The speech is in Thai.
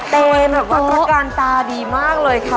เต็มโต๊ะช่วงการตาดีมากเลยค่ะ